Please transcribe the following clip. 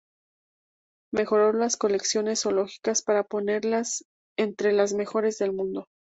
Mejoró las colecciones zoológicas para ponerlas entre las mejores del mundo.